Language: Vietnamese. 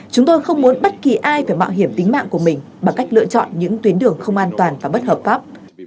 chúng tôi không muốn bất kỳ ai phải mạo hiểm tính mạng của mình bằng cách lựa chọn những tuyến đường không an toàn và bất hợp pháp